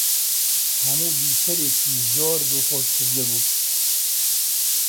هەموو بیسەرێکی زۆر دڵخۆش کردبوو